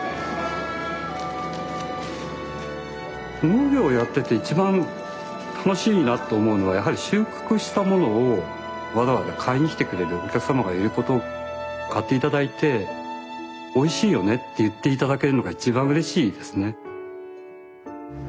農業やってて一番楽しいなと思うのはやはり収穫したものをわざわざ買いに来てくれるお客様がいること買って頂いておいしいよねって言って頂けるのが一番うれしいですね。